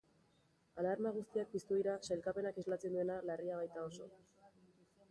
Alarma guztiak piztu dira sailkapenak islatzen duena larria baita oso.